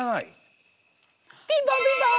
ピンポンピンポン！